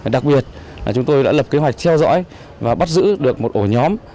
đặc biệt là chúng tôi đã lập kế hoạch theo dõi và bắt giữ được một ổ nhóm